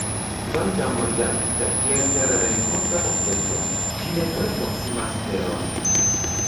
Kvankam rigardita kiel terrenkonta objekto, ĝi ne tre proksimas Teron.